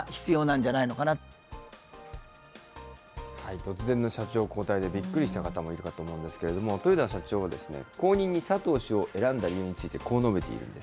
突然の社長交代でびっくりした方もいるかと思うんですけども、豊田社長は、後任に佐藤氏を選んだ理由についてこう述べているんです。